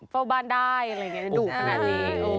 เฝ้าบ้านได้อะไรอย่างนี้ดุขนาดนี้